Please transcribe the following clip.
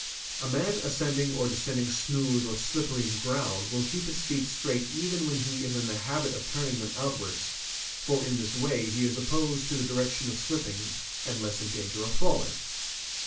"A man ascending or descending smooth or slippery ground will keep his feet straight even when he is in the habit of turning them out wards, for in this way he is opposed to the direction of shipping and less in danger of falling.